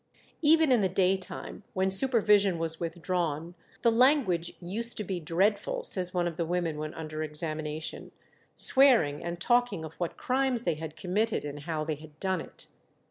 Even in the daytime, when supervision was withdrawn, "the language used to be dreadful," says one of the women when under examination; "swearing and talking of what crimes they had committed, and how they had done it."